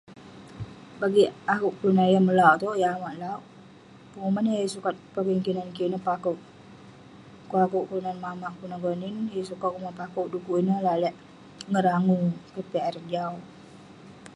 Bagik akouk kelunan yah melauwk itouk, yah amak lauwk..penguman yah yeng sukat pogeng kinan kik ineh pekewk..pu'kuk akouk kelunan mamak, kelunan gonin..yeng sukat pakewk..du'kuk ineh lalek ngarangu, keh piak ireh jau..